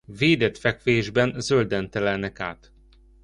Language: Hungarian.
Védett fekvésben zölden telelnek át.